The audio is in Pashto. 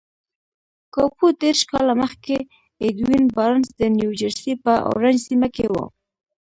کابو دېرش کاله مخکې ايډوين بارنس د نيوجرسي په اورنج سيمه کې و.